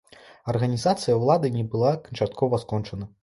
Арганізацыя ўлады не была канчаткова скончана.